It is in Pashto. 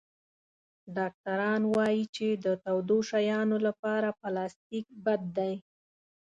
ډاکټران وایي چې د تودو شیانو لپاره پلاستيک بد دی.